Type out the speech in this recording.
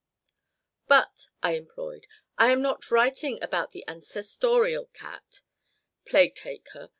"But," I implored, "I'm not writing about the ancestorial cat, plague take her!